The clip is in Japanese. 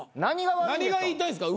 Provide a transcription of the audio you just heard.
何が言いたいんですか？